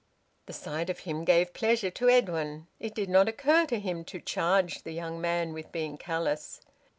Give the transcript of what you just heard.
The sight of him gave pleasure to Edwin. It did not occur to him to charge the young man with being callous.